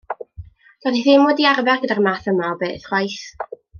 Doedd hi ddim wedi arfer gyda'r math yma o beth chwaith.